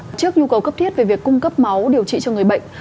với các nhu cầu cấp thiết về việc cung cấp máu điều trị cho người bệnh